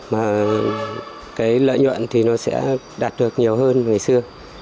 mà cái lợi nhuận thì nó sẽ đạt được nhiều hơn về xưa